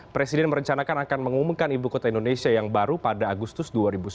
presiden merencanakan akan mengumumkan ibu kota indonesia yang baru pada agustus dua ribu sembilan belas